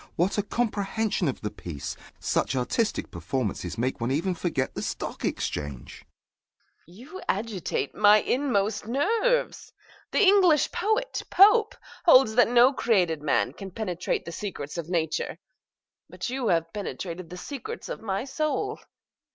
What a comprehension of the piece! Such artistic performances make one even forget the stock exchange! MRS. GOLD. You agitate my inmost nerves! The English poet, Pope, holds that no created man can penetrate the secrets of nature; but you have penetrated the secrets of my soul.